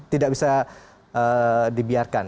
tidak bisa dibiarkan